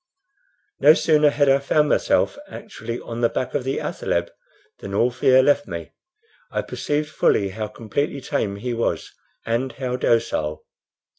No sooner had I found myself actually on the back of the athaleb than all fear left me. I perceived fully how completely tame he was, and how docile.